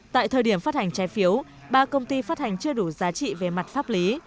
tại thời điểm phát hành trái phiếu ba công ty phát hành chưa đủ giá trị về mặt pháp lý